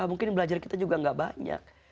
mungkin belajar kita juga gak banyak